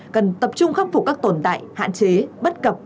cần tập trung khắc phục các tồn tại hạn chế bất cập